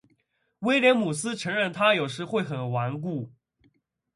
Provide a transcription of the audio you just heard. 威廉姆斯承认他有时会很顽固。